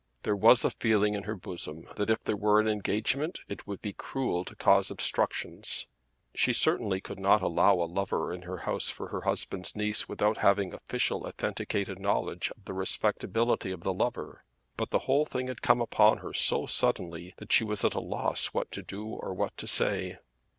There was a feeling in her bosom that if there were an engagement it would be cruel to cause obstructions. She certainly could not allow a lover in her house for her husband's niece without having official authenticated knowledge of the respectability of the lover; but the whole thing had come upon her so suddenly that she was at a loss what to do or what to say.